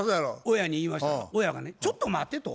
親に言いましたら親がね「ちょっと待て」と。